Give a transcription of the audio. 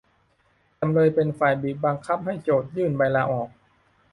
จำเลยเป็นฝ่ายบีบบังคับให้โจทก์ยื่นใบลาออก